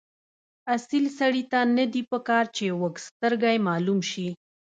اصیل سړي ته نه دي پکار چې وږسترګی معلوم شي.